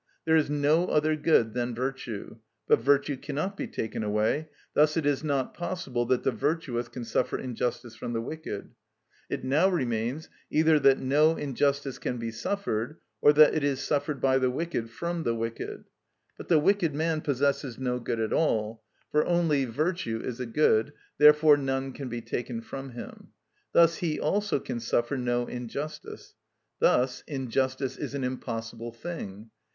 There is no other good than virtue: but virtue cannot be taken away: thus it is not possible that the virtuous can suffer injustice from the wicked. It now remains either that no injustice can be suffered, or that it is suffered by the wicked from the wicked. But the wicked man possesses no good at all, for only virtue is a good; therefore none can be taken from him. Thus he also can suffer no injustice. Thus injustice is an impossible thing."